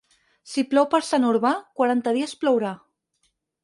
Si plou per Sant Urbà, quaranta dies plourà.